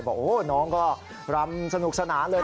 บอกโอ้น้องก็รำสนุกสนานเลย